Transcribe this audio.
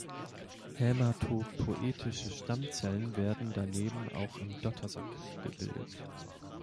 Hämatopoetische Stammzellen werden daneben auch im Dottersack gebildet.